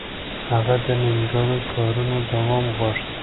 هغه د نيمګړو کارونو دوام غوښت.